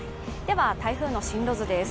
台風の進路図です。